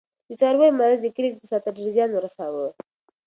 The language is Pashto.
د څارویو مرض د کلي اقتصاد ته ډېر زیان ورساوه.